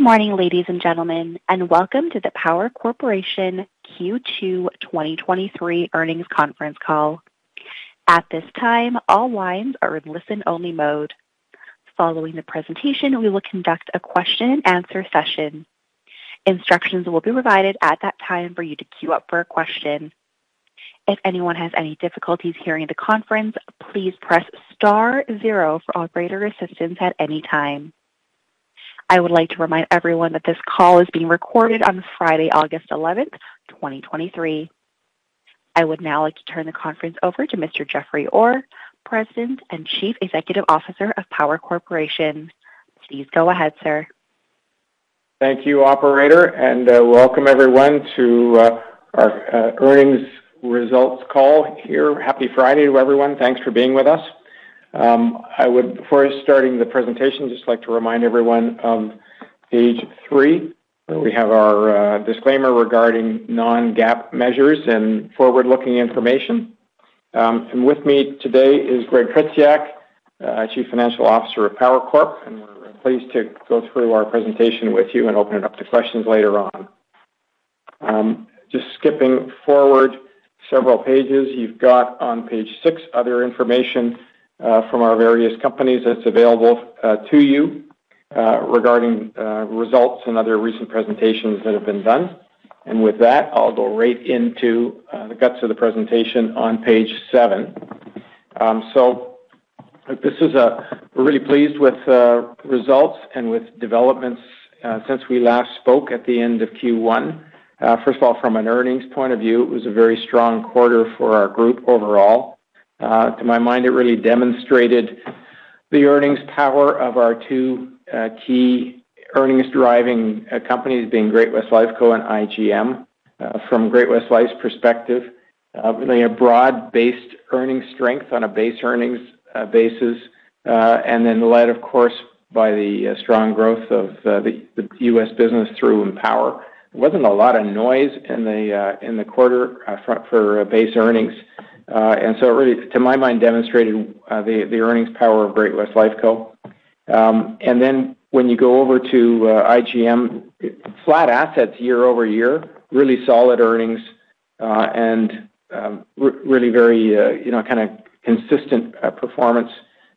Good morning, ladies and gentlemen, and welcome to the Power Corporation Q2 2023 earnings conference call. At this time, all lines are in listen-only mode. Following the presentation, we will conduct a question and answer session. Instructions will be provided at that time for you to queue up for a question. If anyone has any difficulties hearing the conference, please press star zero for operator assistance at any time. I would like to remind everyone that this call is being recorded on Friday, August 11th, 2023. I would now like to turn the conference over to Mr. Jeffrey Orr, President and Chief Executive Officer of Power Corporation. Please go ahead, sir. Thank you, operator. Welcome everyone to our earnings results call here. Happy Friday to everyone. Thanks for being with us. I would, before starting the presentation, just like to remind everyone of page three, where we have our disclaimer regarding non-GAAP measures and forward-looking information. With me today is Gregory Tretiak, Chief Financial Officer of Power Corp, and we're pleased to go through our presentation with you and open it up to questions later on. Just skipping forward several pages, you've got on page six other information from our various companies that's available to you regarding results and other recent presentations that have been done. With that, I'll go right into the guts of the presentation on page seven. This is... We're really pleased with the results and with developments since we last spoke at the end of Q1. First of all, from an earnings point of view, it was a very strong quarter for our group overall. To my mind, it really demonstrated the earnings power of our two key earnings-driving companies, being Great-West Lifeco and IGM. From Great-West Life's perspective, really a broad-based earnings strength on a base earnings basis, and then led, of course, by the strong growth of the U.S. business through Empower. There wasn't a lot of noise in the quarter for base earnings. So it really, to my mind, demonstrated the earnings power of Great-West Lifeco. When you go to IGM, flat assets year-over-year, really very, you know, kind of consistent performance.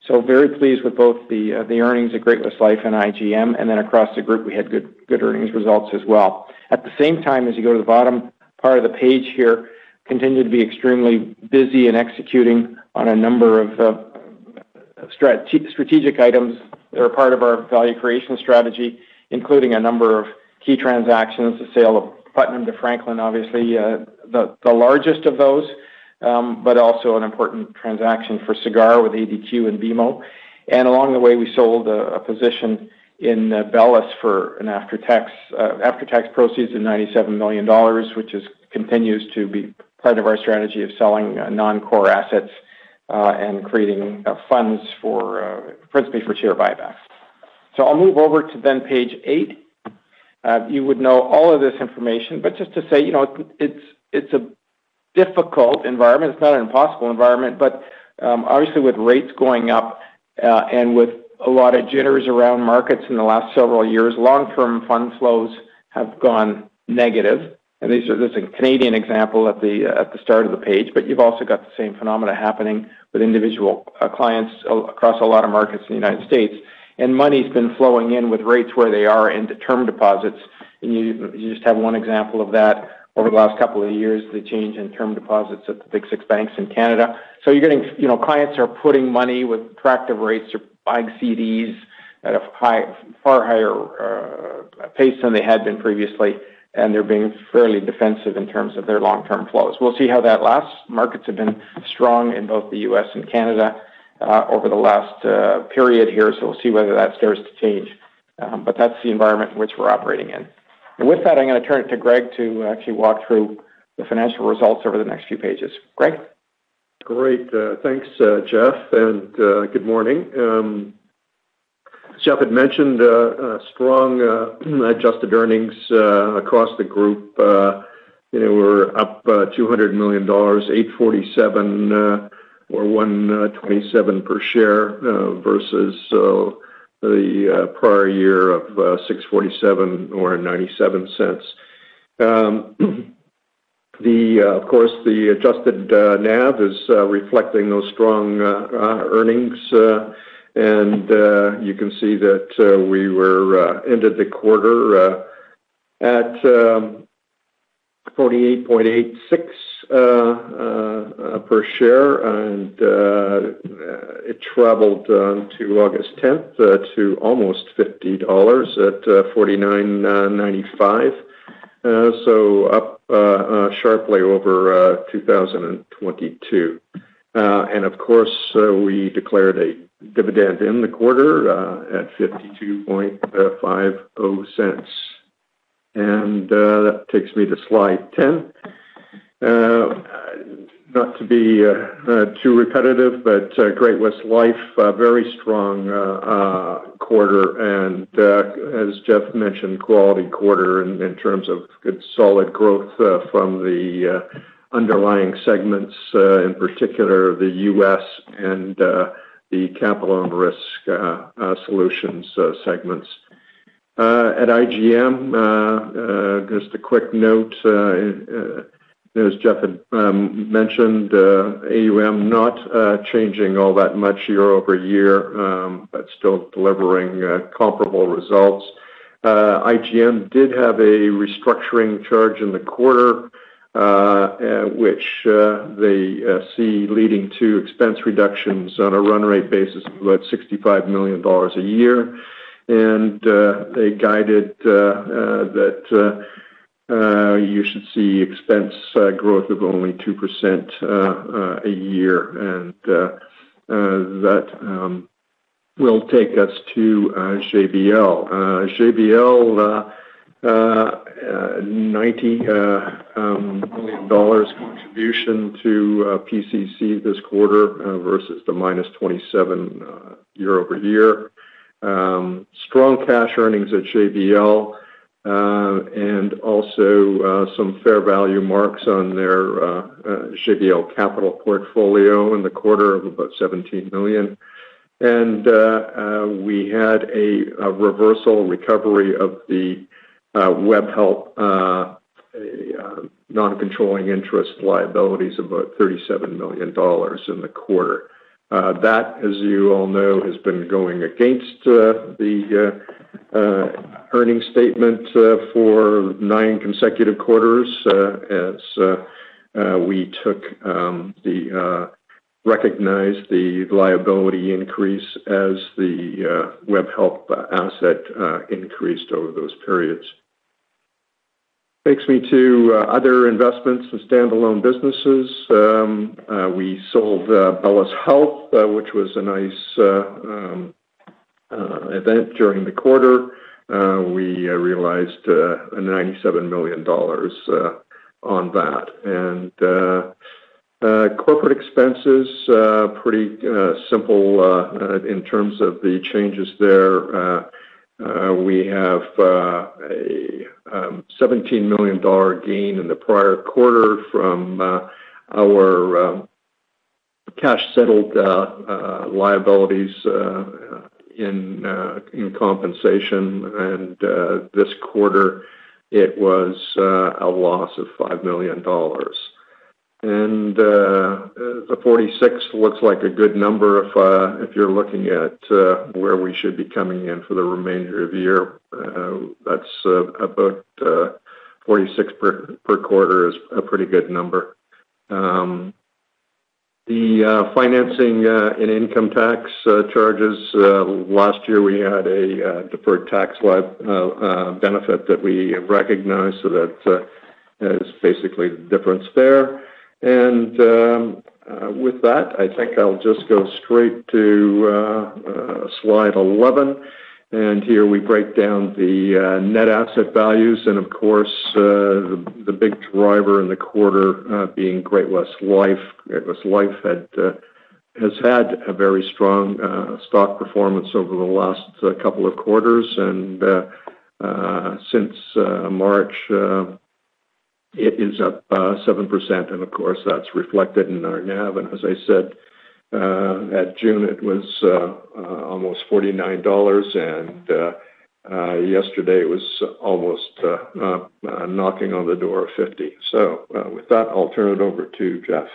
So very pleased with both the earnings at Great-West Life and IGM, and then across the group, we had good, good earnings results as well. At the same time, as you go to the bottom part of the page here, continued to be extremely busy in executing on a number of strategic items that are part of our value creation strategy, including a number of key transactions, the sale of Putnam to Franklin, obviously, the largest of those, but also an important transaction for Sagard with ADQ and BMO. Along the way, we sold a position in Bellus for an after-tax, after-tax proceeds of $97 million, which continues to be part of our strategy of selling non-core assets and creating funds for principally for share buybacks. I'll move over to then page eight. You would know all of this information, but just to say, you know, it's a difficult environment. It's not an impossible environment, but obviously, with rates going up and with a lot of jitters around markets in the last several years, long-term fund flows have gone negative. These are just a Canadian example at the, at the start of the page, but you've also got the same phenomena happening with individual clients across a lot of markets in the United States. Money's been flowing in with rates where they are into term deposits. You just have one example of that over the last couple of years, the change in term deposits at the big six banks in Canada. You're getting. You know, clients are putting money with attractive rates. They're buying CDs at a far higher pace than they had been previously, and they're being fairly defensive in terms of their long-term flows. We'll see how that lasts. Markets have been strong in both the U.S. and Canada over the last period here, so we'll see whether that starts to change. That's the environment in which we're operating in. With that, I'm gonna turn it to Gregory to actually walk through the financial results over the next few pages. Gregory? Great. Thanks, Jeffrey, good morning. Jeffrey had mentioned a strong adjusted earnings across the group. You know, we're up 200 million dollars, 847, or 1.27 per share, versus the prior year of 647 or 0.97. Of course, the adjusted NAV is reflecting those strong earnings, you can see that we ended the quarter at 48.86 per share. It traveled to August 10 to almost 50 dollars at 49.95. Up sharply over 2022. Of course, we declared a dividend in the quarter at 0.525. That takes me to slide 10. Not to be too repetitive, but Great-West Life, a very strong quarter, and as Jeffrey mentioned, quality quarter in terms of good, solid growth from the underlying segments, in particular, the U.S. and the Capital and Risk Solutions segments. At IGM, just a quick note, as Jeffrey had mentioned, AUM not changing all that much year-over-year, but still delivering comparable results. IGM did have a restructuring charge in the quarter, which they see leading to expense reductions on a run rate basis of about 65 million dollars a year. They guided that you should see expense growth of only 2% a year. That will take us to GBL. GBL, 90 million dollars contribution to PCC this quarter, versus the -27 million year-over-year. Strong cash earnings at GBL, and also some fair value marks on their GBL capital portfolio in the quarter of about 17 million. We had a reversal recovery of the Webhelp non-controlling interest liabilities, about 37 million dollars in the quarter. That, as you all know, has been going against the earnings statement for nine consecutive quarters, as we took the recognized the liability increase as the Webhelp asset increased over those periods. Takes me to other investments and standalone businesses. We sold Bellus Health, which was a nice event during the quarter. We realized 97 million dollars on that. Corporate expenses, pretty simple in terms of the changes there. We have a 17 million dollar gain in the prior quarter from our cash settled liabilities in compensation. This quarter, it was a loss of 5 million dollars. The 46 looks like a good number if you're looking at where we should be coming in for the remainder of the year. That's about 46 per quarter is a pretty good number. The financing and income tax charges last year, we had a deferred tax benefit that we recognized, that is basically the difference there. With that, I think I'll just go straight to slide 11. Here, we break down the net asset values, and of course, the big driver in the quarter, being Great-West Life. Great-West Life had has had a very strong stock performance over the last couple of quarters. Since March, it is up 7%, and of course, that's reflected in our NAV. As I said, at June, it was almost 49 dollars, and yesterday, it was almost knocking on the door of 50. With that, I'll turn it over to Jeffrey.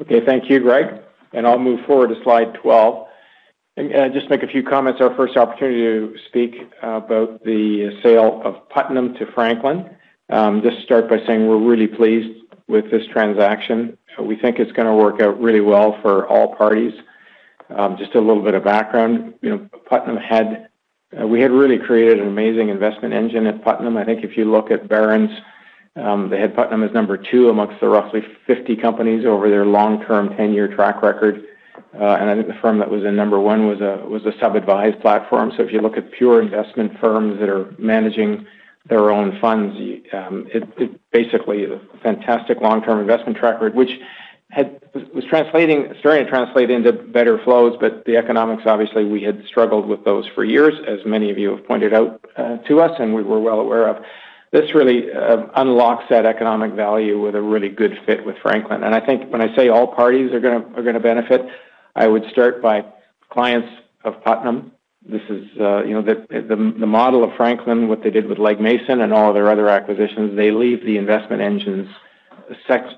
Okay. Thank you, Gregory, I'll move forward to slide 12. Just make a few comments. Our first opportunity to speak about the sale of Putnam to Franklin. Just start by saying we're really pleased with this transaction. We think it's gonna work out really well for all parties. Just a little bit of background. You know, Putnam had... We had really created an amazing investment engine at Putnam. I think if you look at Barron's, they had Putnam as number two amongst the roughly 50 companies over their long-term 10-year track record. I think the firm that was in number 1 was a, was a sub-advised platform. If you look at pure investment firms that are managing their own funds, it, it basically is a fantastic long-term investment track record, which was, was translating, starting to translate into better flows, but the economics, obviously, we had struggled with those for years, as many of you have pointed out to us, and we were well aware of. This really unlocks that economic value with a really good fit with Franklin. I think when I say all parties are gonna, are gonna benefit, I would start by clients of Putnam. This is, you know, the, the, the model of Franklin, what they did with Legg Mason and all their other acquisitions, they leave the investment engines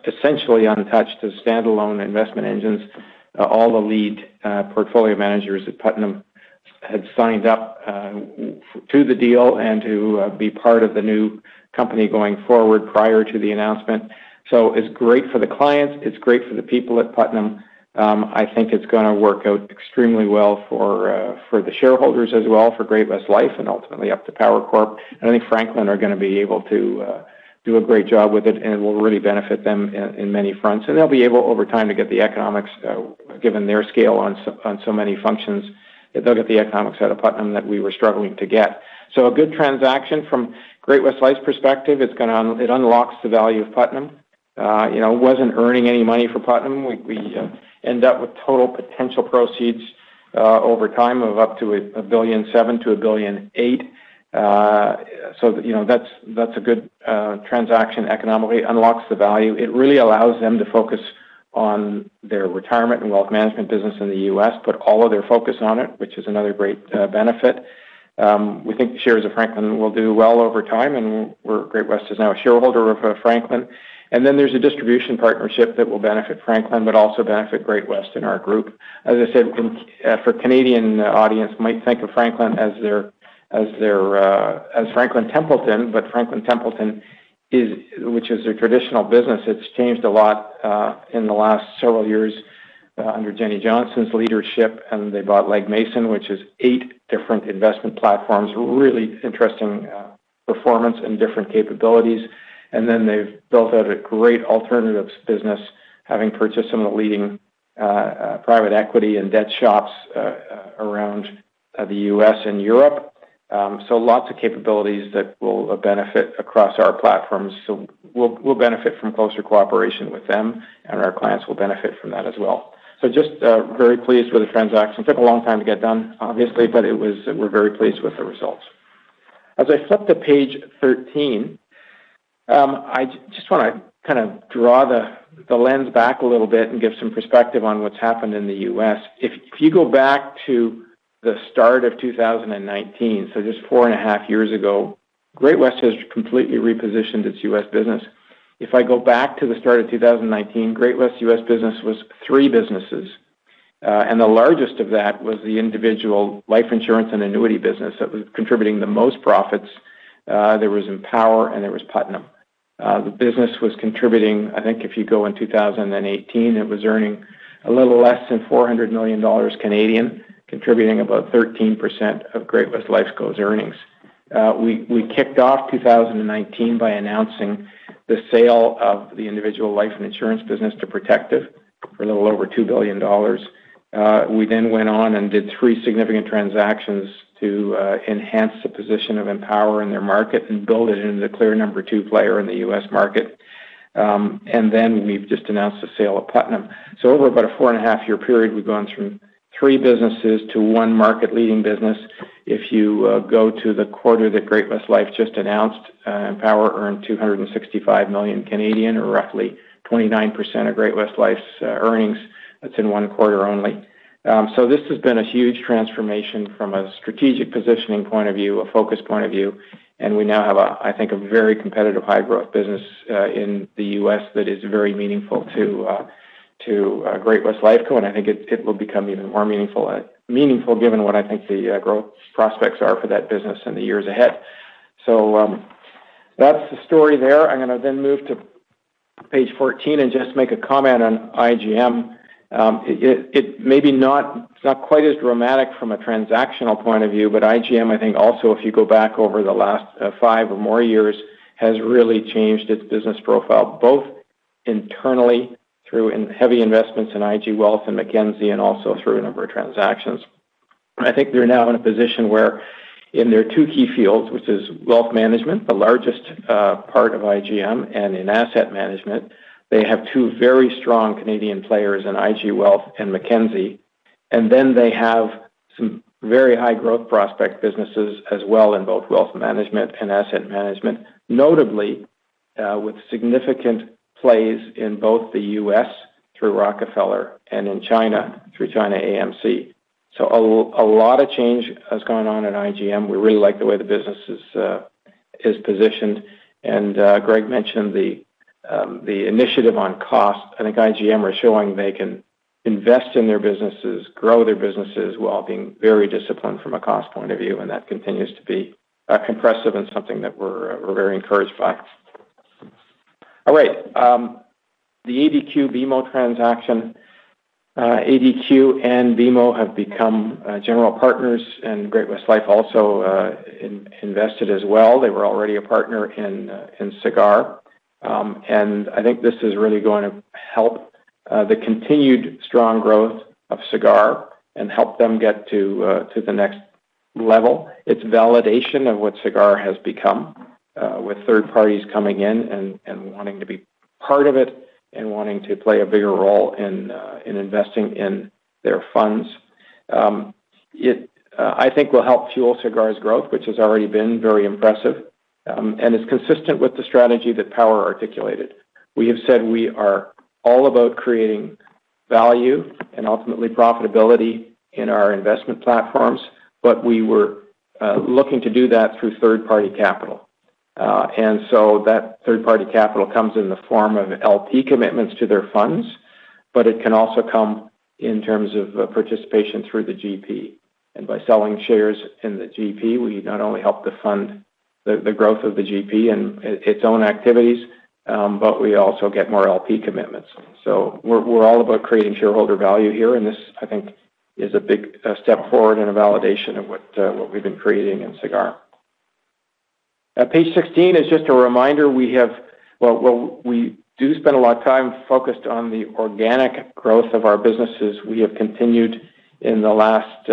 essentially untouched, as standalone investment engines. All the lead portfolio managers at Putnam have signed up to the deal and to be part of the new company going forward, prior to the announcement. It's great for the clients, it's great for the people at Putnam. I think it's gonna work out extremely well for the shareholders as well, for Great-West Life, and ultimately, up to Power Corp. I think Franklin are gonna be able to do a great job with it, and it will really benefit them in many fronts. They'll be able, over time, to get the economics given their scale on so, on so many functions, that they'll get the economics out of Putnam that we were struggling to get. A good transaction from Great-West Life's perspective. It's gonna un- it unlocks the value of Putnam. you know, wasn't earning any money for Putnam. We, we end up with total potential proceeds over time, of up to $1.7 billion-$1.8 billion. you know, that's, that's a good transaction economically, unlocks the value. It really allows them to focus on their retirement and wealth management business in the U.S., put all of their focus on it, which is another great benefit. We think the shares of Franklin will do well over time. Great-West is now a shareholder of Franklin. There's a distribution partnership that will benefit Franklin, but also benefit Great-West and our group. For Canadian audience might think of Franklin as their, as their, as Franklin Templeton, but Franklin Templeton is, which is their traditional business, it's changed a lot in the last several years under Jenny Johnson's leadership. They bought Legg Mason, which is eight different investment platforms, really interesting performance and different capabilities. They've built out a great alternatives business, having purchased some of the leading private equity and debt shops around the U.S. and Europe. Lots of capabilities that will benefit across our platforms. We'll, we'll benefit from closer cooperation with them, and our clients will benefit from that as well. Just very pleased with the transaction. Took a long time to get done, obviously, but we're very pleased with the results. As I flip to page 13, I just wanna kind of draw the, the lens back a little bit and give some perspective on what's happened in the U.S. If you go back to the start of 2019, so just 4.5 years ago, Great-West has completely repositioned its U.S. business. If I go back to the start of 2019, Great-West U.S. business was three businesses, and the largest of that was the individual life insurance and annuity business that was contributing the most profits. There was Empower, and there was Putnam. The business was contributing... I think, if you go in 2018, it was earning a little less than 400 million Canadian dollars, contributing about 13% of Great-West Lifeco's earnings. We, we kicked off 2019 by announcing the sale of the individual life and insurance business to Protective for a little over $2 billion. We then went on and did three significant transactions to enhance the position of Empower in their market and build it into the clear number two player in the U.S. market. Then we've just announced the sale of Putnam. Over about a 4.5-year period, we've gone from three businesses to one market-leading business. If you go to the quarter that Great-West Life just announced, Empower earned 265 million, or roughly 29% of Great-West Life's earnings. That's in one quarter only. This has been a huge transformation from a strategic positioning point of view, a focus point of view, and we now have a, I think, a very competitive high growth business in the U.S. that is very meaningful to Great-West Lifeco, and I think it will become even more meaningful, meaningful, given what I think the growth prospects are for that business in the years ahead. That's the story there. I'm gonna then move to page 14 and just make a comment on IGM. It, it maybe not, not quite as dramatic from a transactional point of view, but IGM, I think also, if you go back over the last five or more years, has really changed its business profile, both internally, through in heavy investments in IG Wealth and Mackenzie, and also through a number of transactions. I think they're now in a position where in their two key fields, which is wealth management, the largest part of IGM, and in asset management, they have two very strong Canadian players in IG Wealth and Mackenzie. They have some very high growth prospect businesses as well in both wealth management and asset management, notably, with significant plays in both the U.S., through Rockefeller, and in China, through ChinaAMC. A lot of change has gone on in IGM. We really like the way the business is positioned. Gregory mentioned the initiative on cost. I think IGM are showing they can invest in their businesses, grow their businesses, while being very disciplined from a cost point of view, and that continues to be compressive and something that we're very encouraged by. All right. The ADQ BMO transaction, ADQ and BMO have become general partners, and Great-West Life also invested as well. They were already a partner in Sagard. I think this is really going to help the continued strong growth of Sagard and help them get to the next level. It's validation of what Sagard has become, with third parties coming in and, and wanting to be part of it, and wanting to play a bigger role in investing in their funds. It, I think will help fuel Sagard's growth, which has already been very impressive, and is consistent with the strategy that Power articulated. We have said we are all about creating value and ultimately profitability in our investment platforms, but we were looking to do that through third-party capital. So that third-party capital comes in the form of LP commitments to their funds, but it can also come in terms of participation through the GP. By selling shares in the GP, we not only help to fund the, the growth of the GP and its own activities, but we also get more LP commitments. We're, we're all about creating shareholder value here, and this, I think, is a big step forward and a validation of what we've been creating in Sagard. At page 16 is just a reminder, we do spend a lot of time focused on the organic growth of our businesses. We have continued in the last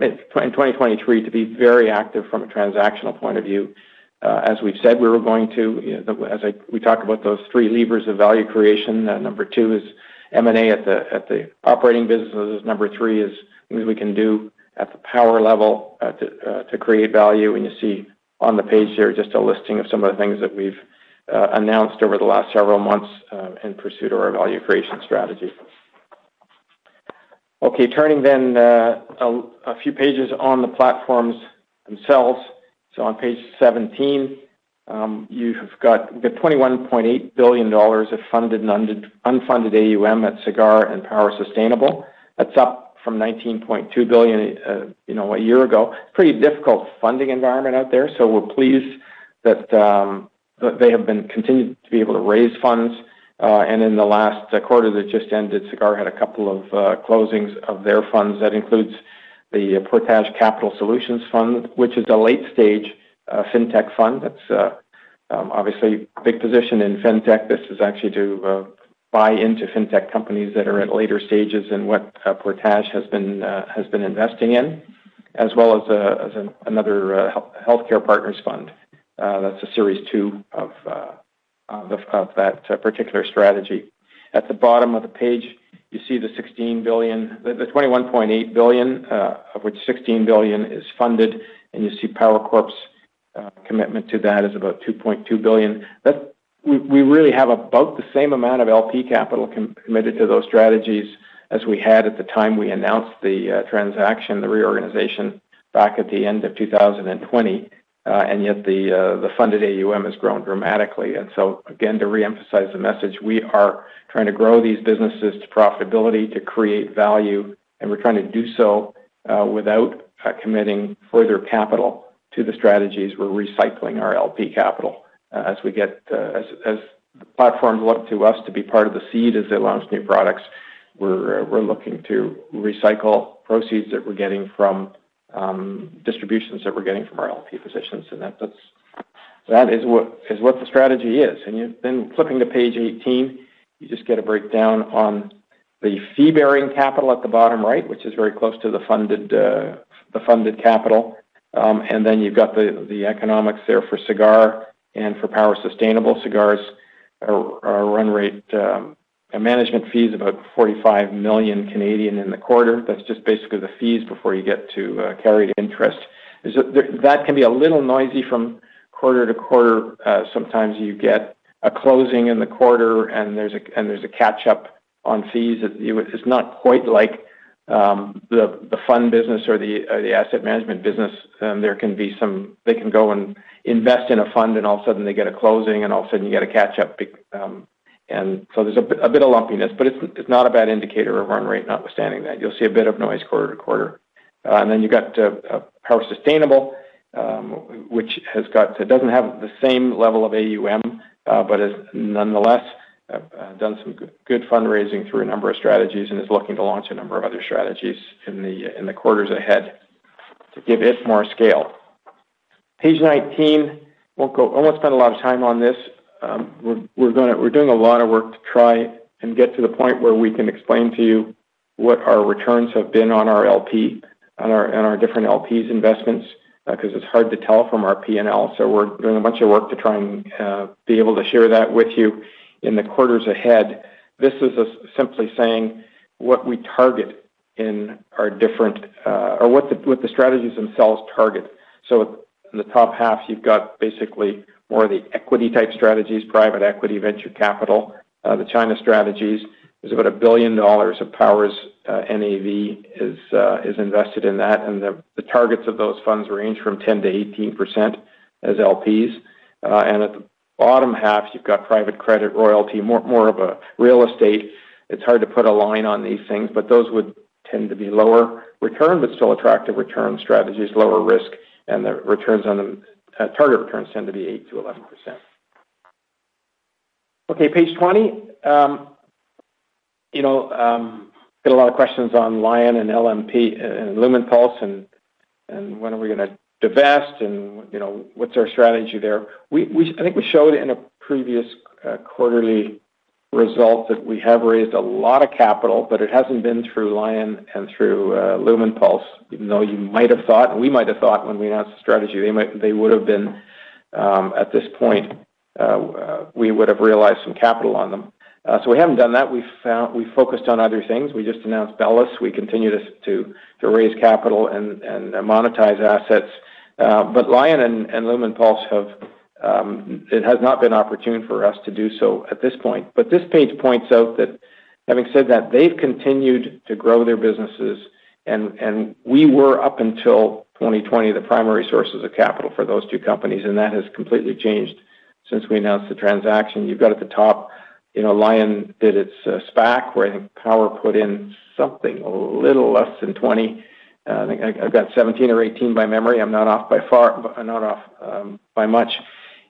in 2023, to be very active from a transactional point of view. As we've said, we were going to, you know, the, we talked about those three levers of value creation, number two is M&A at the, at the operating businesses. Number three is things we can do at the power level to create value. You see on the page here, just a listing of some of the things that we've. announced over the last several months, in pursuit of our value creation strategy. Turning then, a few pages on the platforms themselves. On page 17, you have got the 21.8 billion dollars of funded and unfunded AUM at Sagard and Power Sustainable. That's up from 19.2 billion, you know, a year ago. Pretty difficult funding environment out there, so we're pleased that they have been continuing to be able to raise funds. And in the last quarter that just ended, Sagard had a couple of closings of their funds. That includes the Portage Capital Solutions fund, which is a late stage, fintech fund. That's obviously a big position in fintech. This is actually to buy into fintech companies that are at later stages in what Portage has been investing in, as well as another Sagard Healthcare Partners. That's a series two of that particular strategy. At the bottom of the page, you see the 16 billion- the 21.8 billion, of which 16 billion is funded, and you see Power Corp's commitment to that is about 2.2 billion. We really have about the same amount of LP capital committed to those strategies as we had at the time we announced the transaction, the reorganization back at the end of 2020, and yet the funded AUM has grown dramatically. So again, to reemphasize the message, we are trying to grow these businesses to profitability, to create value, and we're trying to do so without committing further capital to the strategies. We're recycling our LP capital as we get, as, as the platforms look to us to be part of the seed as they launch new products, we're, we're looking to recycle proceeds that we're getting from distributions that we're getting from our LP positions. That, that's-- that is what, is what the strategy is. You- then flipping to page 18, you just get a breakdown on the fee-bearing capital at the bottom right, which is very close to the funded, the funded capital. Then you've got the, the economics there for Sagard and for Power Sustainable. Sagard, run rate management fee is about 45 million in the quarter. That's just basically the fees before you get to carried interest. That can be a little noisy from quarter to quarter. Sometimes you get a closing in the quarter, and there's a catch up on fees. It's not quite like the fund business or the asset management business. There can be some. They can go and invest in a fund, and all of a sudden they get a closing, and all of a sudden you get a catch up. There's a bit of lumpiness, but it's not a bad indicator of run rate, notwithstanding that. You'll see a bit of noise quarter to quarter. Then you've got Power Sustainable, which doesn't have the same level of AUM, but has nonetheless done some good fundraising through a number of strategies and is looking to launch a number of other strategies in the quarters ahead to give it more scale. Page 19, I won't spend a lot of time on this. We're doing a lot of work to try and get to the point where we can explain to you what our returns have been on our LP, on our, on our different LPs investments, because it's hard to tell from our P&L. We're doing a bunch of work to try and be able to share that with you in the quarters ahead. This is us simply saying what we target in our different, or what the, what the strategies themselves target. In the top half, you've got basically more of the equity type strategies, private equity, venture capital. The China strategies, there's about 1 billion dollars of Power's NAV is invested in that, and the, the targets of those funds range from 10%-18% as LPs. At the bottom half, you've got private credit royalty, more, more of a real estate. It's hard to put a line on these things, but those would tend to be lower return, but still attractive return strategies, lower risk, and the returns on them, target returns tend to be 8%-11%. Okay, page 20. You know, get a lot of questions on Lion and LMP and Lumenpulse, when are we going to divest? You know, what's our strategy there? I think we showed in a previous quarterly result that we have raised a lot of capital, it hasn't been through Lion and through Lumenpulse, even though you might have thought, and we might have thought when we announced the strategy, they would have been at this point, we would have realized some capital on them. We haven't done that. We focused on other things. We just announced Bellus. We continue to, to, to raise capital and, and monetize assets. Lion and Lumenpulse have, it has not been opportune for us to do so at this point. This page points out that having said that, they've continued to grow their businesses, and we were, up until 2020, the primary sources of capital for those two companies, and that has completely changed since we announced the transaction. You've got at the top, you know, Lion did its SPAC, where I think Power put in something a little less than 20. I think I, I've got 17 or 18 by memory. I'm not off by far, I'm not off by much.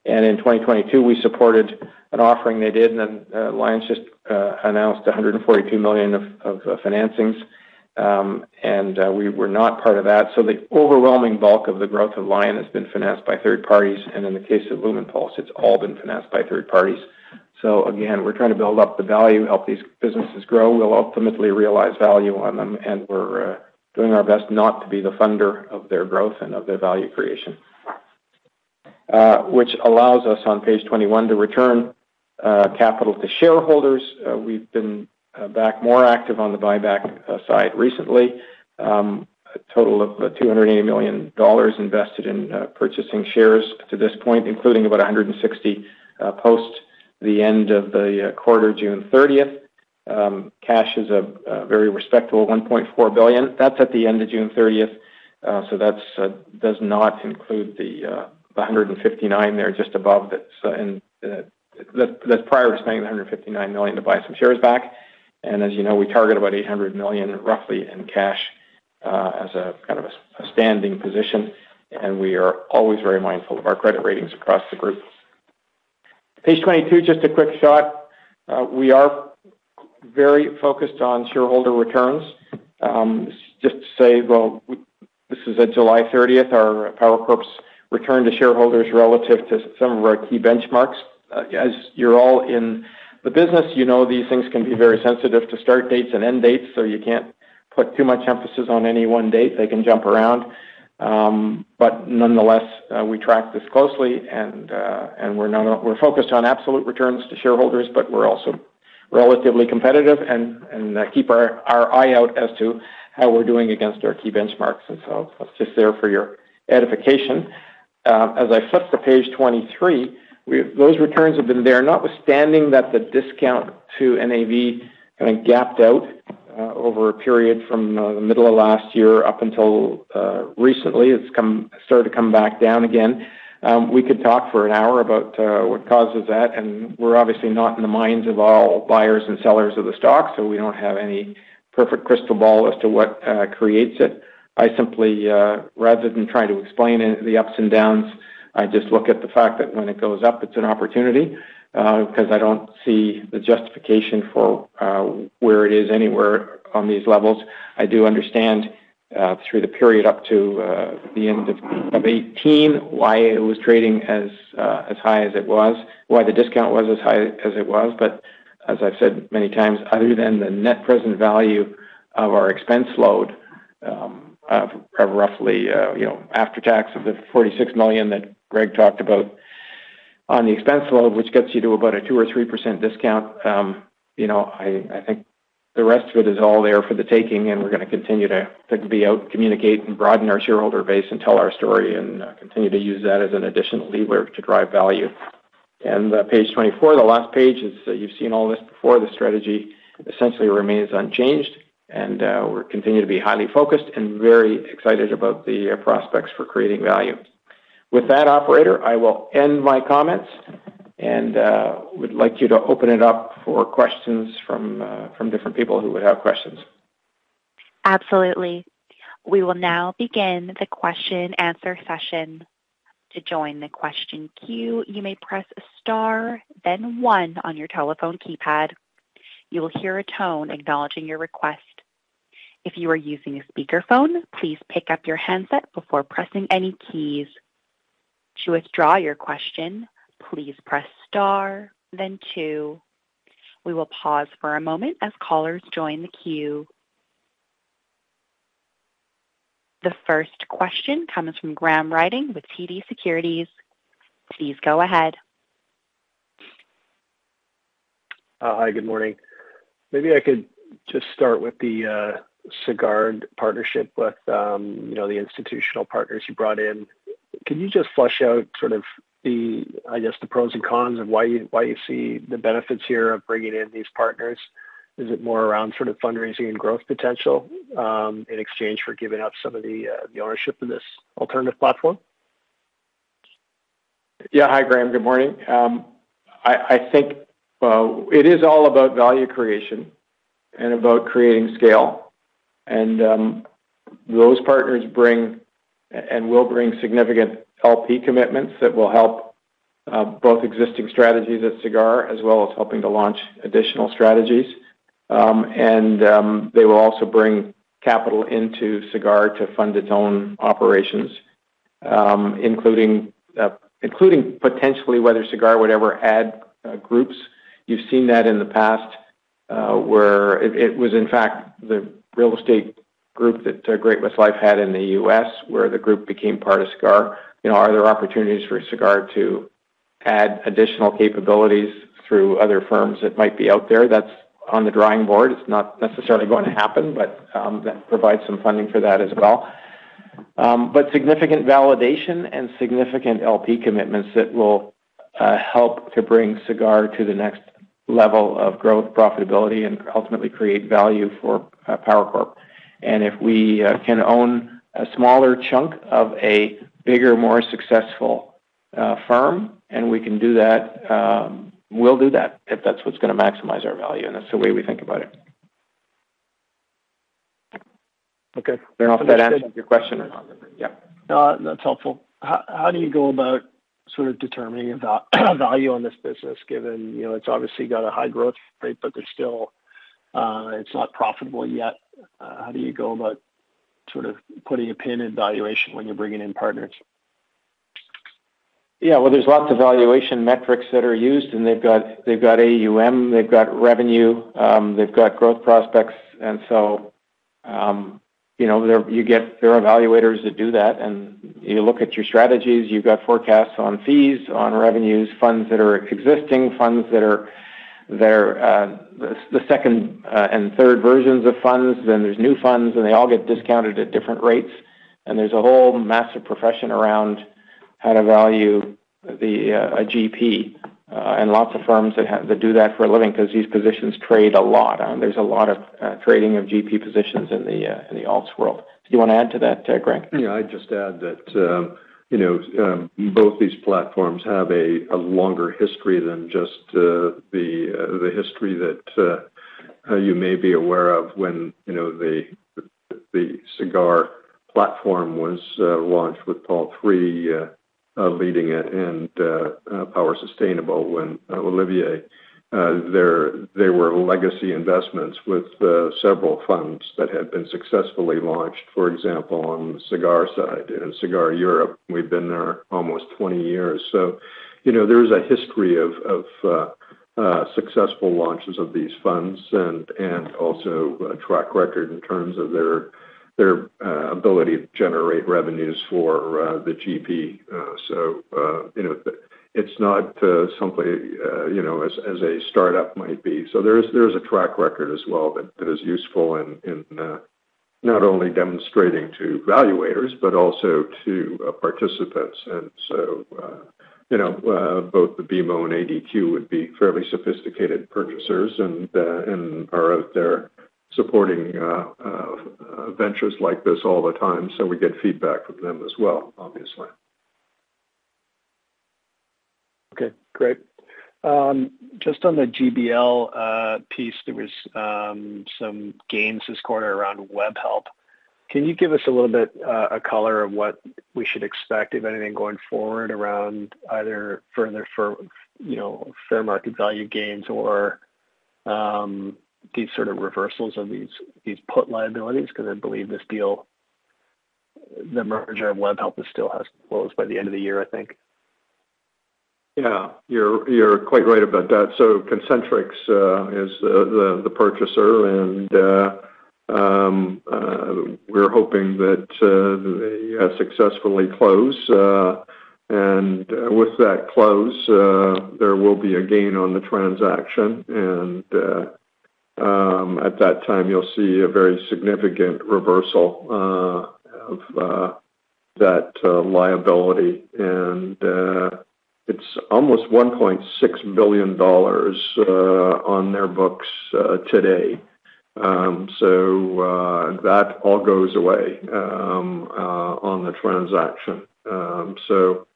In 2022, we supported an offering they did, and then Lion's just announced 142 million of financings. We were not part of that. The overwhelming bulk of the growth of Lion has been financed by third parties, and in the case of Lumenpulse, it's all been financed by third parties. Again, we're trying to build up the value, help these businesses grow. We'll ultimately realize value on them, and we're doing our best not to be the funder of their growth and of their value creation, which allows us, on page 21, to return capital to shareholders. We've been back more active on the buyback side recently. A total of 280 million dollars invested in purchasing shares to this point, including about 160 post the end of the quarter, June thirtieth. Cash is a very respectable 1.4 billion. That's at the end of June thirtieth, so that's does not include the 159 there just above it. That, that's prior to spending the 159 million to buy some shares back. As you know, we target about 800 million, roughly, in cash, as a kind of a standing position, and we are always very mindful of our credit ratings across the group. Page 22, just a quick shot. We are very focused on shareholder returns. just to say, well, this is at July 30th, our PowerCorp's return to shareholders relative to some of our key benchmarks. As you're all in the business, you know these things can be very sensitive to start dates and end dates, so you can't put too much emphasis on any one date. They can jump around. Nonetheless, we track this closely, and we're not, we're focused on absolute returns to shareholders, but we're also relatively competitive and keep our eye out as to how we're doing against our key benchmarks. That's just there for your edification. As I flip to page 23, we, those returns have been there, notwithstanding that the discount to NAV kind of gapped out over a period from the middle of last year up until recently. It's come, started to come back down again. We could talk for an hour about what causes that. We're obviously not in the minds of all buyers and sellers of the stock, so we don't have any perfect crystal ball as to what creates it. I simply, rather than try to explain it, the ups and downs, I just look at the fact that when it goes up, it's an opportunity, because I don't see the justification for, where it is anywhere on these levels. I do understand, through the period up to, the end of, of 2018, why it was trading as, as high as it was, why the discount was as high as it was. As I've said many times, other than the net present value of our expense load, of, of roughly, you know, after tax, of the 46 million that Gregory talked about on the expense load, which gets you to about a 2% or 3% discount, you know, I, I think the rest of it is all there for the taking, and we're going to continue to, to be out, communicate and broaden our shareholder base and tell our story, and continue to use that as an additional lever to drive value. Page 24, the last page, is, you've seen all this before. The strategy essentially remains unchanged, and we're continuing to be highly focused and very excited about the prospects for creating value. With that, operator, I will end my comments and would like you to open it up for questions from different people who would have questions. Absolutely. We will now begin the question-answer session. To join the question queue, you may press star, then one on your telephone keypad. You will hear a tone acknowledging your request. If you are using a speakerphone, please pick up your handset before pressing any keys. To withdraw your question, please press star, then two. We will pause for a moment as callers join the queue. The first question comes from Graham Ryding with TD Securities. Please go ahead. Hi, good morning. Maybe I could just start with the Sagard partnership with, you know, the institutional partners you brought in. Can you just flesh out sort of the, I guess, the pros and cons of why you, why you see the benefits here of bringing in these partners? Is it more around sort of fundraising and growth potential, in exchange for giving up some of the, the ownership in this alternative platform? Yeah. Hi, Graham. Good morning. I, I think it is all about value creation and about creating scale. Those partners bring and, and will bring significant LP commitments that will help both existing strategies at Sagard, as well as helping to launch additional strategies. They will also bring capital into Sagard to fund its own operations, including potentially whether Sagard would ever add groups. You've seen that in the past, where it, it was in fact, the real estate group that Great-West Life had in the U.S., where the group became part of Sagard. You know, are there opportunities for Sagard to add additional capabilities through other firms that might be out there? That's on the drawing board. It's not necessarily going to happen, that provides some funding for that as well. Significant validation and significant LP commitments that will help to bring Sagard to the next level of growth, profitability, and ultimately create value for PowerCorp. If we can own a smaller chunk of a bigger, more successful firm, and we can do that, we'll do that if that's what's going to maximize our value, and that's the way we think about it. Okay. Graham, does that answer your question or not? Yeah. That's helpful. How, how do you go about sort of determining the value on this business, given, you know, it's obviously got a high growth rate, but there's still it's not profitable yet? How do you go about sort of putting a pin in valuation when you're bringing in partners? Yeah, well, there's lots of valuation metrics that are used, and they've got, they've got AUM, they've got revenue, they've got growth prospects, and so-... you know, there, you get there are evaluators that do that, and you look at your strategies, you've got forecasts on fees, on revenues, funds that are existing, funds that are, they're, the, the second and third versions of funds, then there's new funds, and they all get discounted at different rates. There's a whole massive profession around how to value the a GP and lots of firms that have-- that do that for a living, 'cause these positions trade a lot. There's a lot of trading of GP positions in the in the alts world. Do you wanna add to that, Gregory? Yeah, I'd just add that, you know, both these platforms have a, a longer history than just the history that you may be aware of when, you know, the Sagard platform was launched with Paul III leading it and Power Sustainable when Olivier. They were legacy investments with several funds that had been successfully launched. For example, on the Sagard side, in Sagard Europe, we've been there almost 20 years. So, you know, there is a history of successful launches of these funds and also a track record in terms of their ability to generate revenues for the GP. So, you know, it's not simply, you know, as, as a startup might be. There is, there is a track record as well that, that is useful in, in, not only demonstrating to valuators, but also to, participants. You know, both the BMO and ADQ would be fairly sophisticated purchasers and, and are out there supporting, ventures like this all the time, so we get feedback from them as well, obviously. Okay, great, just on the GBL piece, there was some gains this quarter around Webhelp. Can you give us a little bit a color of what we should expect, if anything, going forward around either further for, you know, fair market value gains or, these sort of reversals of these, these put liabilities? Because I believe this deal, the merger of Webhelp, it still has to close by the end of the year, I think. Yeah, you're, you're quite right about that. Concentrix is the, the purchaser, and we're hoping that they successfully close. With that close, there will be a gain on the transaction, and at that time, you'll see a very significant reversal of that liability. It's almost 1.6 billion dollars on their books today. That all goes away on the transaction. That,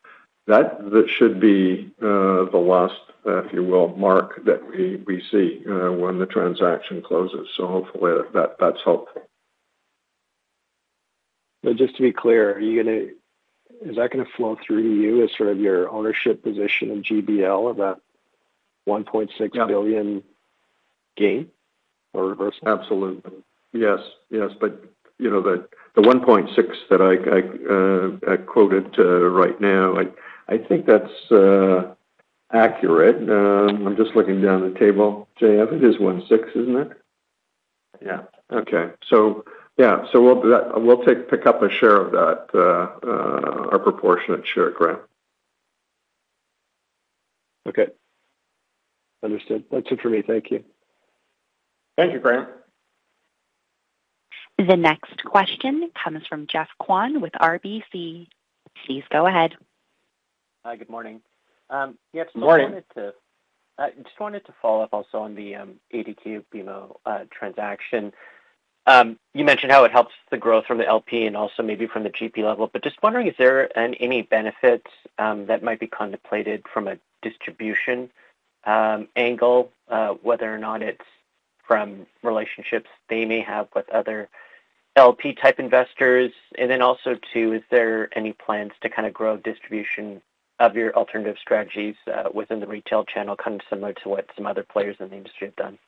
that should be the last, if you will, mark, that we, we see when the transaction closes, so hopefully, that, that's helpful. Just to be clear, are you gonna... Is that gonna flow through to you as sort of your ownership position in GBL, of that 1.6 billion? Yeah. gain or reversal? Absolutely. Yes, yes, you know, the 1.6 that I, I quoted, right now, I, I think that's accurate. I'm just looking down the table. Jay, I think it is 1.6, isn't it? Yeah. Okay. Yeah, we'll take, pick up a share of that, our proportionate share, Graham. Okay. Understood. That's it for me. Thank you. Thank you, Graham. The next question comes from Geoffrey Kwan with RBC. Please go ahead. Hi, good morning. Good morning. I wanted to, I just wanted to follow up also on the ADQ BMO transaction. You mentioned how it helps the growth from the LP and also maybe from the GP level, but just wondering, is there any benefits that might be contemplated from a distribution angle, whether or not it's from relationships they may have with other LP type investors? Then also, too, is there any plans to kind of grow distribution of your alternative strategies within the retail channel, kind of similar to what some other players in the industry have done?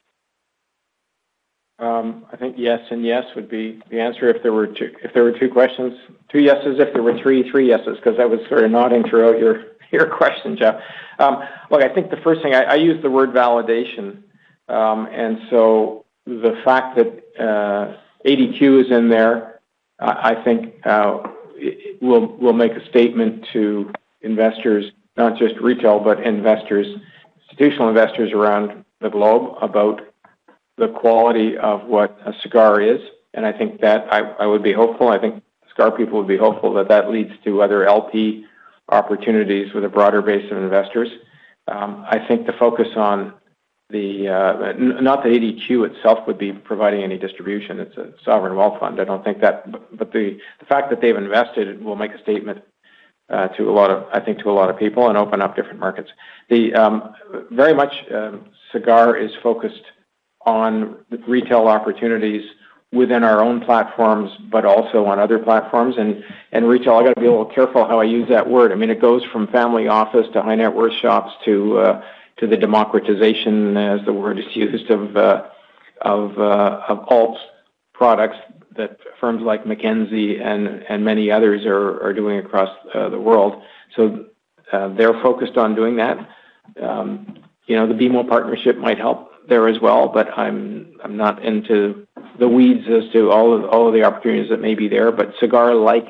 I think yes and yes would be the answer if there were two, if there were two questions. Two yeses, if there were three, three yeses, 'cause I was sort of nodding throughout your, your question, Jeffrey. Look, I think the first thing I, I use the word validation. So the fact that ADQ is in there, I think it will, will make a statement to investors, not just retail, but investors, institutional investors around the globe, about the quality of what a Sagard is. I think that I, I would be hopeful, I think Sagard people would be hopeful that that leads to other LP opportunities with a broader base of investors. I think the focus on the... Not that ADQ itself would be providing any distribution. It's a sovereign wealth fund. I don't think that, but the fact that they've invested will make a statement, to a lot of, I think, to a lot of people and open up different markets. Very much, Sagard is focused on retail opportunities within our own platforms, but also on other platforms. Retail, I've got to be a little careful how I use that word. I mean, it goes from family office to high net worth shops, to the democratization, as the word is used, of, of, of alts products that firms like Mackenzie and many others are doing across the world. They're focused on doing that. You know, the BMO partnership might help there as well, but I'm not into the weeds as to all of the opportunities that may be there. Sagard, like,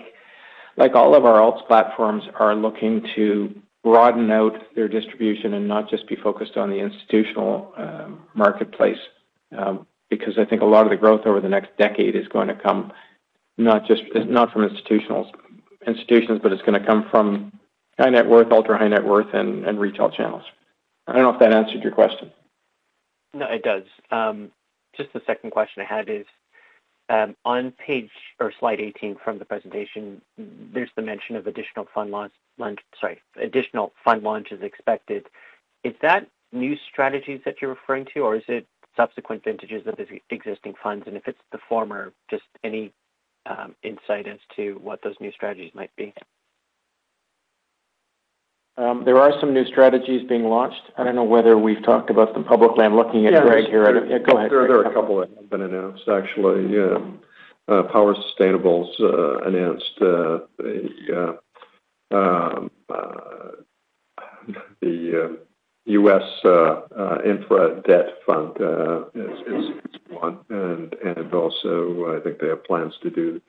like all of our ALTS platforms, are looking to broaden out their distribution and not just be focused on the institutional marketplace, because I think a lot of the growth over the next decade is going to come not just-- not from institutionals, institutions, but it's going to come from high net worth, ultra high net worth, and, and retail channels. I don't know if that answered your question. No, it does. Just the second question I had is, on page or slide 18 from the presentation, there's the mention of additional fund launch- sorry, additional fund launches expected. Is that new strategies that you're referring to, or is it subsequent vintages of existing funds? If it's the former, just any insight as to what those new strategies might be? There are some new strategies being launched. I don't know whether we've talked about them publicly. I'm looking at Gregory here. Yeah, go ahead. There are a couple that have been announced, actually. Yeah, Power Sustainable announced the the U.S. infra debt fund is one. Also I think they have plans to do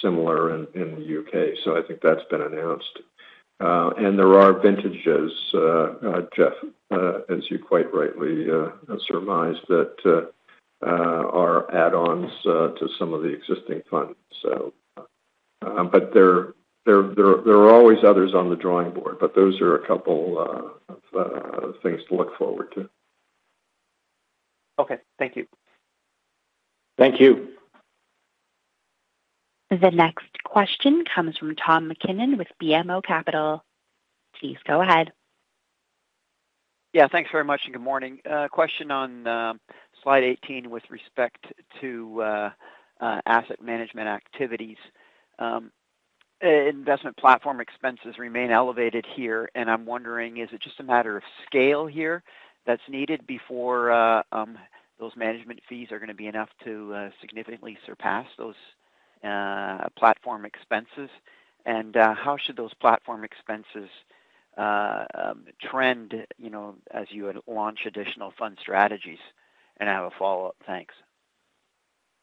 similar in the U.K. I think that's been announced. There are vintages, Jeffrey, as you quite rightly surmised, that are add-ons to some of the existing funds. But there are always others on the drawing board, but those are a couple of things to look forward to. Okay. Thank you. Thank you. The next question comes from Tom MacKinnon with BMO Capital. Please go ahead. Yeah, thanks very much, and good morning. Question on slide 18 with respect to asset management activities. Investment platform expenses remain elevated here, and I'm wondering, is it just a matter of scale here that's needed before those management fees are going to be enough to significantly surpass those platform expenses? How should those platform expenses trend, you know, as you launch additional fund strategies? I have a follow-up. Thanks.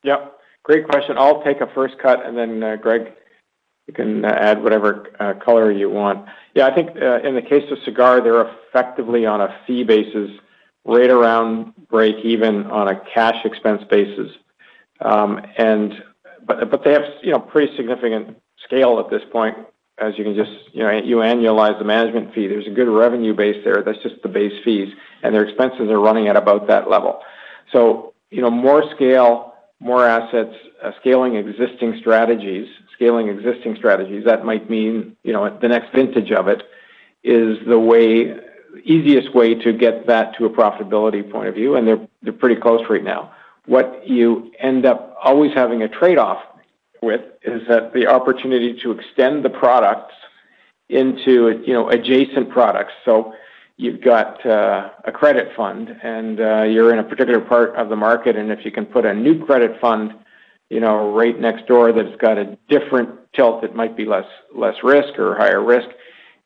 Yeah, great question. I'll take a first cut, and then, Gregory, you can add whatever color you want. I think, in the case of Sagard, they're effectively on a fee basis, right around breakeven on a cash expense basis. But, but they have, you know, pretty significant scale at this point, as you can just... You know, you annualize the management fee. There's a good revenue base there. That's just the base fees, and their expenses are running at about that level. You know, more scale, more assets, scaling existing strategies, scaling existing strategies, that might mean, you know, the next vintage of it is the way easiest way to get that to a profitability point of view, and they're, they're pretty close right now. What you end up always having a trade-off with is that the opportunity to extend the products into, you know, adjacent products. You've got a credit fund and you're in a particular part of the market, and if you can put a new credit fund, you know, right next door that's got a different tilt, it might be less, less risk or higher risk.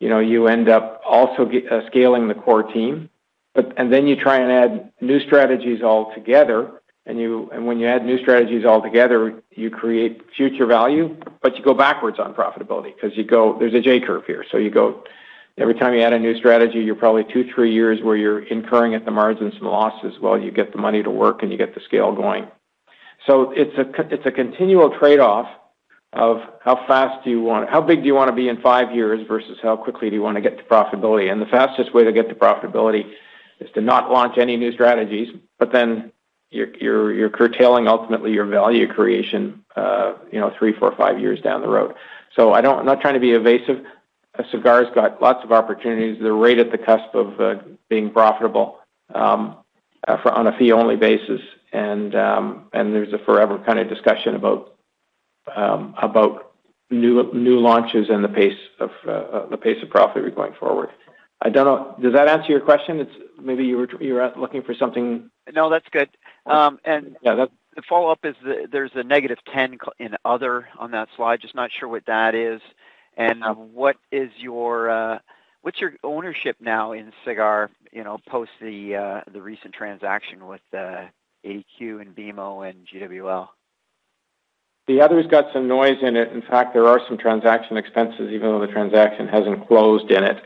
You know, you end up also scaling the core team. Then you try and add new strategies all together, and when you add new strategies all together, you create future value, but you go backwards on profitability because you go, there's a J-curve here. You go, every time you add a new strategy, you're probably two, three years where you're incurring at the margins and losses while you get the money to work and you get the scale going. It's a continual trade-off of how fast do you want how big do you want to be in five years versus how quickly do you want to get to profitability. The fastest way to get to profitability is to not launch any new strategies, but then you're, you're, you're curtailing ultimately your value creation, you know, three, four, five years down the road. I don't... I'm not trying to be evasive. Sagard's got lots of opportunities. They're right at the cusp of being profitable, on a fee-only basis. There's a forever kind of discussion about new, new launches and the pace of the pace of profitability going forward. I don't know. Does that answer your question? It's maybe you were, you were looking for something- No, that's good. Yeah. The follow-up is, there's a -10 in other on that slide. Just not sure what that is. What is your, what's your ownership now in Sagard, you know, post the recent transaction with ADQ and BMO and GWL? The other's got some noise in it. In fact, there are some transaction expenses, even though the transaction hasn't closed in it.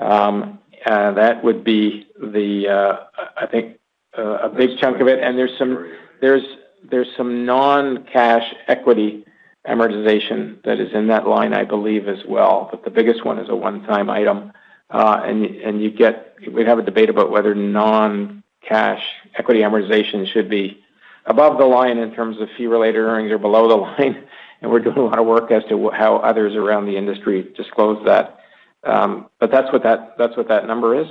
That would be the, I think, a big chunk of it. There's some, there's, there's some non-cash equity amortization that is in that line, I believe, as well. The biggest one is a one-time item. We'd have a debate about whether non-cash equity amortization should be above the line in terms of fee-related earnings or below the line. We're doing a lot of work as to how others around the industry disclose that. That's what that, that's what that number is.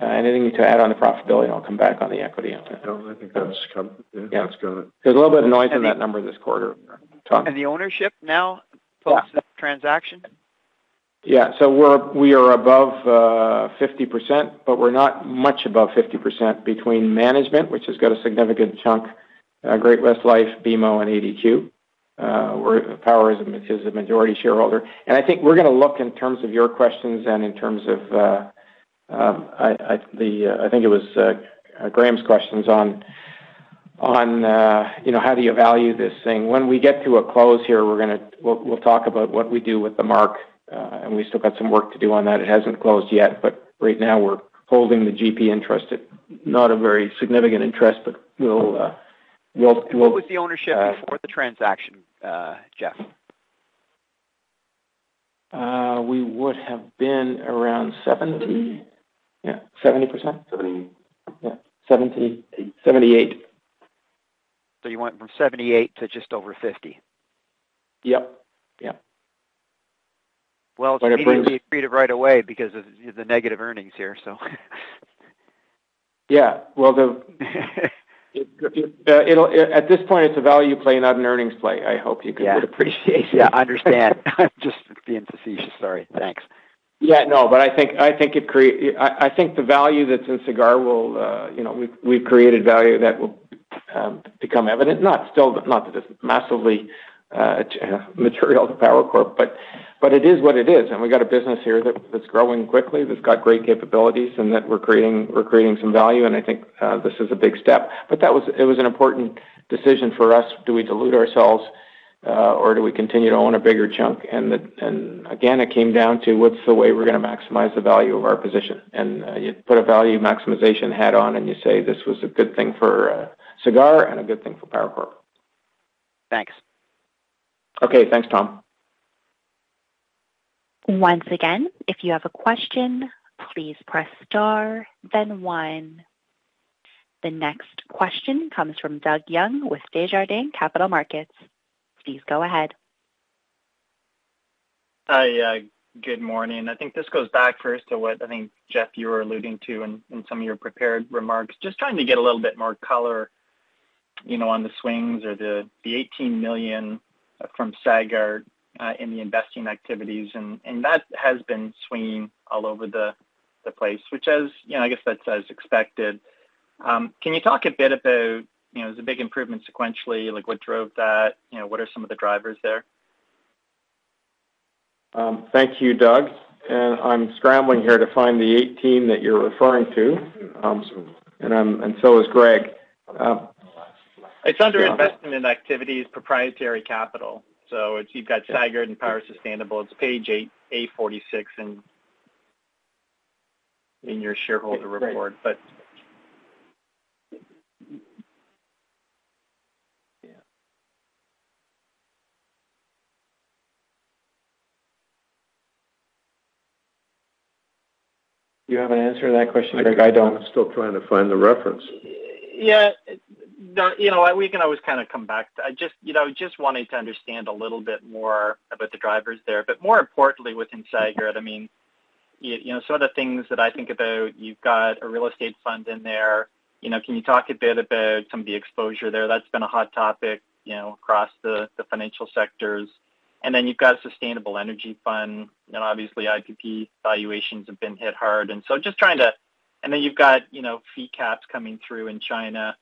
Anything you need to add on the profitability, and I'll come back on the equity after. No, I think that's covered. Yeah. That's got it. There's a little bit of noise in that number this quarter. Tom? The ownership now post the transaction? We're- we are above 50%, but we're not much above 50% between management, which has got a significant chunk, Great-West Life, BMO, and ADQ. Where Power is a majority shareholder. I think we're gonna look in terms of your questions and in terms of I, I, the I think it was Graham's questions on on you know, how do you value this thing? When we get to a close here, we're gonna-- we'll, we'll talk about what we do with the mark, and we still got some work to do on that. It hasn't closed yet, but right now we're holding the GP interest at not a very significant interest, but we'll, we'll-. What was the ownership before the transaction, Jeffrey? We would have been around 70. Yeah, 70%? 70. Yeah, 70, 78. You went from 78 to just over 50? Yep. Yep. Well, it's gonna be freed up right away because of the negative earnings here, so. Yeah. Well, it'll at this point, it's a value play, not an earnings play. I hope you can appreciate. Yeah, I understand. I'm just being facetious. Sorry. Thanks. Yeah, no, but I think, I think the value that's in Sagard will, you know, we've, we've created value that will become evident. Not still, not massively material to Power Corp, but it is what it is. We got a business here that's growing quickly, that's got great capabilities, and that we're creating some value, and I think this is a big step. That was, it was an important decision for us. Do we dilute ourselves, or do we continue to own a bigger chunk? Again, it came down to, what's the way we're gonna maximize the value of our position? You put a value maximization hat on, and you say, this was a good thing for Sagard and a good thing for Power Corp. Thanks. Okay. Thanks, Tom. Once again, if you have a question, please press star, then one. The next question comes from Doug Young with Desjardins Capital Markets. Please go ahead. Hi, good morning. I think this goes back first to what I think, Jeffrey, you were alluding to in, in some of your prepared remarks. Just trying to get a little bit more color, you know, on the swings or the, the $18 million from Sagard in the investing activities. That has been swinging all over the place, which is, you know, I guess that's as expected. Can you talk a bit about, you know, the big improvement sequentially, like, what drove that? You know, what are some of the drivers there? Thank you, Doug. I'm scrambling here to find the 18 that you're referring to. So is Gregory. It's under investment activities, proprietary capital. You've got Sagard and Power Sustainable. It's page 846 in your shareholder report. Yeah. Do you have an answer to that question, Gregory? I don't. I'm still trying to find the reference. Yeah, you know, we can always kind of come back to that. I just, you know, just wanting to understand a little bit more about the drivers there. More importantly, within Sagard, I mean, you, you know, some of the things that I think about, you've got a real estate fund in there. You know, can you talk a bit about some of the exposure there? That's been a hot topic, you know, across the, the financial sectors. You've got Sustainable Energy Fund, obviously, IPP valuations have been hit hard. Just trying to... You've got, you know, fee caps coming through in China,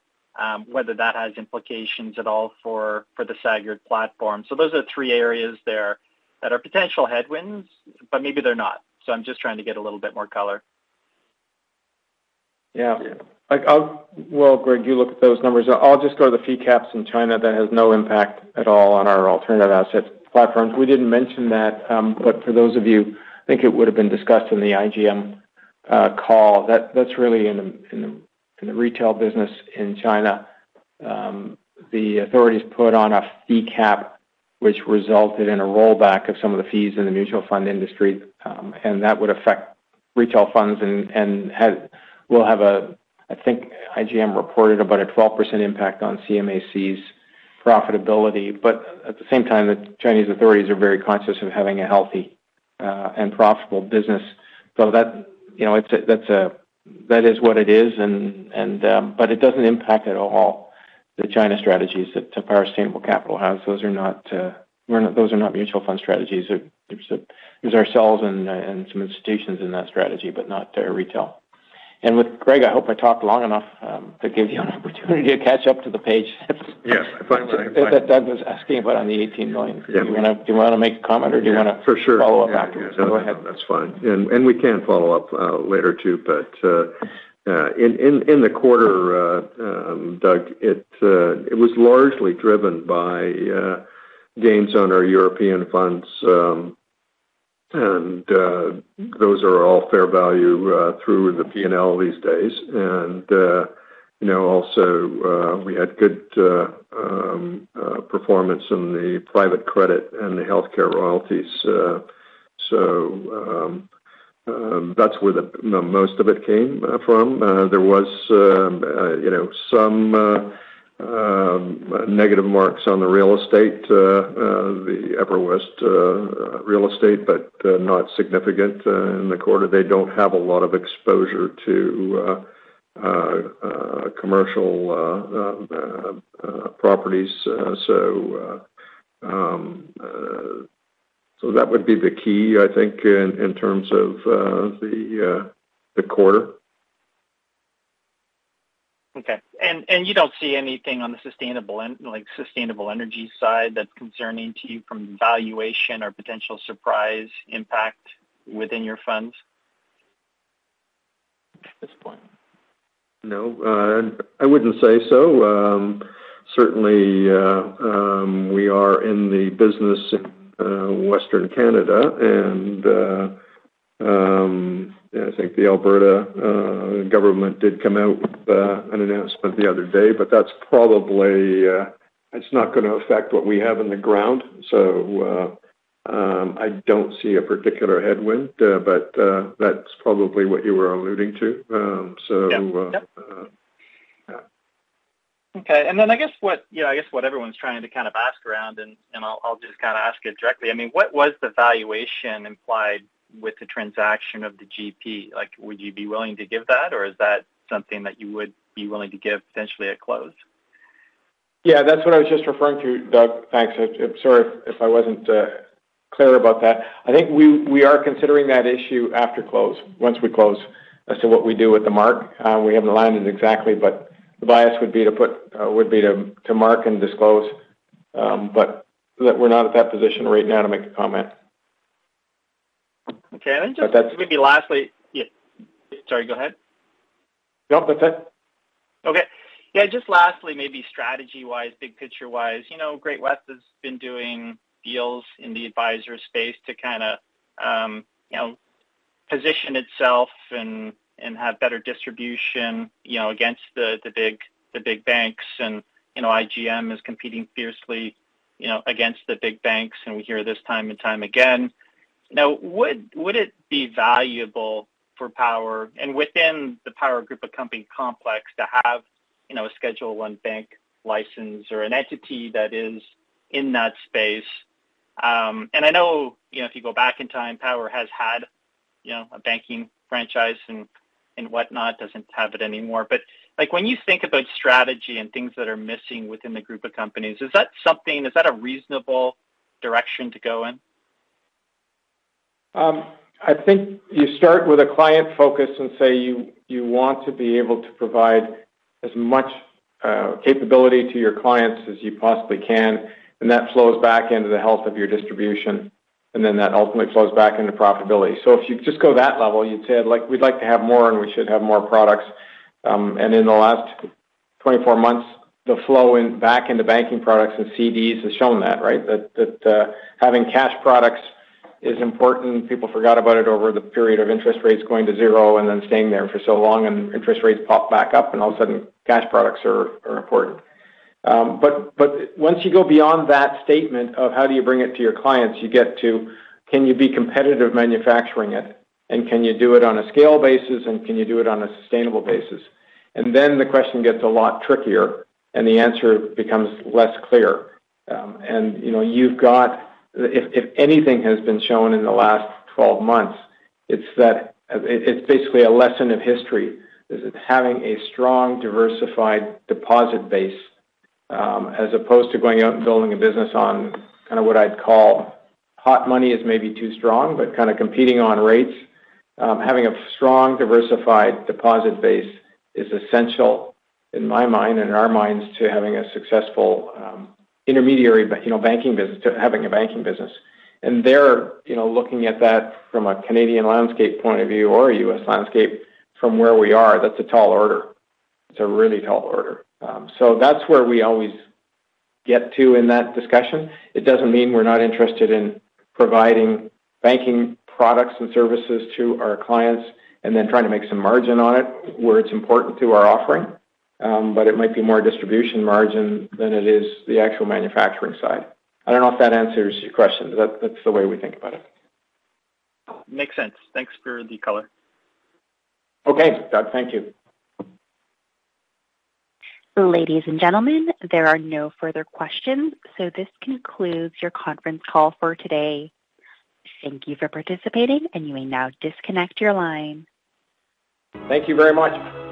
whether that has implications at all for, for the Sagard platform. Those are the three areas there that are potential headwinds, but maybe they're not. I'm just trying to get a little bit more color. Yeah. Well, Gregory, you look at those numbers. I'll just go to the fee caps in China. That has no impact at all on our alternative asset platforms. We didn't mention that, but for those of you, I think it would have been discussed in the IGM call, that's really in the, in the, in the retail business in China. The authorities put on a fee cap, which resulted in a rollback of some of the fees in the mutual fund industry, and that would affect retail funds and will have a, I think IGM reported about a 12% impact on ChinaAMC's profitability. At the same time, the Chinese authorities are very conscious of having a healthy and profitable business. That, you know, that is what it is, and. It doesn't impact at all the China strategies that Power Sustainable Capital has. Those are not, those are not mutual fund strategies. It's ourselves and some institutions in that strategy, but not retail. With Gregory, I hope I talked long enough to give you an opportunity to catch up to the page. Yes, I find. That Doug was asking about on the 18 million. Yeah. Do you wanna, do you wanna make a comment or do you wanna- For sure. Follow up after? Go ahead. That's fine. We can follow up later, too. In, in, in the quarter, Doug, it was largely driven by gains on our European funds. Those are all fair value through the P&L these days. You know, also, we had good performance in the private credit and the healthcare royalties. That's where the, the most of it came from. There was, you know, some negative marks on the real estate, the EverWest Real Estate, but not significant in the quarter. They don't have a lot of exposure to commercial properties. So that would be the key, I think, in, in terms of, the, the quarter. Okay. and you don't see anything on the sustainable like, sustainable energy side that's concerning to you from valuation or potential surprise impact within your funds at this point? No, I wouldn't say so. Certainly, we are in the business, Western Canada, and, yeah, I think the Alberta government did come out with an announcement the other day, but that's probably, it's not gonna affect what we have in the ground. I don't see a particular headwind, but that's probably what you were alluding to. Yep. Yep. Yeah. Okay. Then I guess what, you know, I guess what everyone's trying to kind of ask around, and, and I'll, I'll just kind of ask it directly. I mean, what was the valuation implied with the transaction of the GP, like, would you be willing to give that, or is that something that you would be willing to give essentially at close? Yeah, that's what I was just referring to, Doug. Thanks. I- I'm sorry if I wasn't clear about that. I think we, we are considering that issue after close, once we close, as to what we do with the mark. We haven't aligned it exactly, but the bias would be to, to mark and disclose. We're not at that position right now to make a comment. Okay. But Just maybe lastly... Yeah. Sorry, go ahead. No, that's it. Okay. Yeah, just lastly, maybe strategy-wise, big picture-wise, you know, Great-West has been doing deals in the advisor space to kind of, you know, position itself and, and have better distribution, you know, against the, the big, the big banks. You know, IGM is competing fiercely, you know, against the big banks, and we hear this time and time again. Now, would, would it be valuable for Power, and within the Power group of company complex, to have, you know, a Schedule I bank license or an entity that is in that space? And I know, you know, if you go back in time, Power has had, you know, a banking franchise and, and whatnot. Doesn't have it anymore. Like, when you think about strategy and things that are missing within the group of companies, is that something-- is that a reasonable direction to go in? I think you start with a client focus and say, you, you want to be able to provide as much capability to your clients as you possibly can, and that flows back into the health of your distribution, and then that ultimately flows back into profitability. If you just go that level, you'd say, like, we'd like to have more, and we should have more products. In the last 24 months, the flow back into banking products and CDs has shown that, right? That, that having cash products is important. People forgot about it over the period of interest rates going to zero and then staying there for so long, and interest rates popped back up, and all of a sudden, cash products are, are important. But once you go beyond that statement of how do you bring it to your clients, you get to, can you be competitive manufacturing it? Can you do it on a scale basis, and can you do it on a sustainable basis? Then the question gets a lot trickier, and the answer becomes less clear. You know, you've got... If, if anything has been shown in the last 12 months, it's that, it's basically a lesson in history, is that having a strong, diversified deposit base, as opposed to going out and building a business on kind of what I'd call, hot money is maybe too strong, but kind of competing on rates. Having a strong, diversified deposit base is essential, in my mind, in our minds, to having a successful, intermediary, you know, banking business, to having a banking business. And there, you know, looking at that from a Canadian landscape point of view or a U.S. landscape from where we are, that's a tall order. It's a really tall order. So that's where we always get to in that discussion. It doesn't mean we're not interested in providing banking products and services to our clients and then trying to make some margin on it, where it's important to our offering, but it might be more distribution margin than it is the actual manufacturing side. I don't know if that answers your question, but that's the way we think about it. Makes sense. Thanks for the color. Okay, Doug. Thank you. Ladies and gentlemen, there are no further questions. This concludes your conference call for today. Thank you for participating, and you may now disconnect your line. Thank you very much.